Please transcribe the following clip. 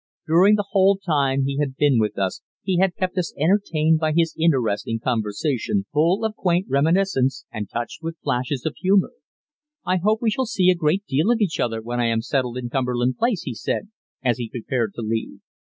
During the whole time he had been with us he had kept us entertained by his interesting conversation, full of quaint reminiscences, and touched with flashes of humour. "I hope we shall see a great deal of each other when I am settled in Cumberland Place," he said, as he prepared to leave.